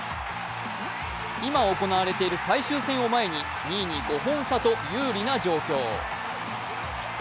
今行われている最終戦を前に２位に５本差と有利な状況。